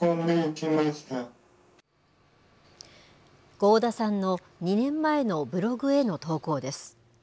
合田さんの２年前のブログへの投稿です。